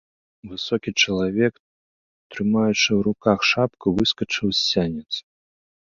Высокі чалавек, трымаючы ў руках шапку, выскачыў з сянец.